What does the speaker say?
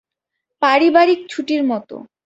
পারিবারিক ছুটির মতো।